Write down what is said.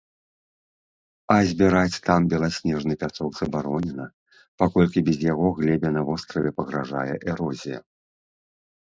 А збіраць там беласнежны пясок забаронена, паколькі без яго глебе на востраве пагражае эрозія.